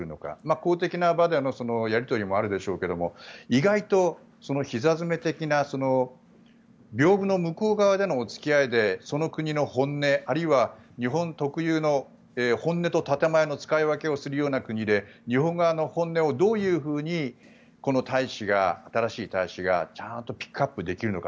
公的な場でのやり取りもあるでしょうから意外とひざ詰め的なびょうぶの向こう側でのお付き合いでその国の本音あるいは日本特有の本音と建前の使い分けをするような国で日本側の本音をどういうふうにこの大使が、新しい大使がちゃんとピックアップできるのか。